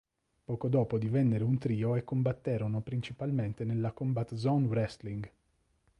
Poco dopo divennero un trio e combatterono principalmente nella Combat Zone Wrestling.